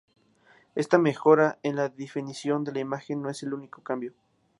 Esta mejora en la definición de la imagen no es el único cambio.